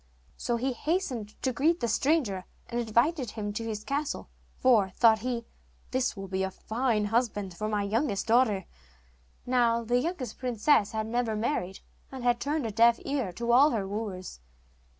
So he hastened to greet the stranger, and invited him to his castle, for, thought he, 'this will be a fine husband for my youngest daughter.' Now, the youngest princess had never married, and had turned a deaf ear to all her wooers.